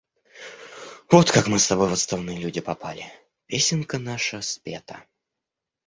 Вот как мы с тобой в отставные люди попали, песенка наша спета.